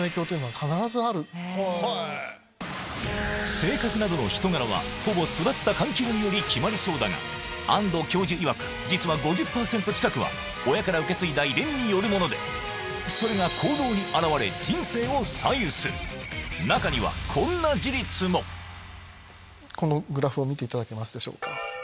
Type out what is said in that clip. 性格などの人柄はほぼ育った環境により決まりそうだが安藤教授いわく実は５０％近くは親から受け継いだ遺伝によるものでそれが中にはこんな事実もこのグラフを見ていただけますでしょうか。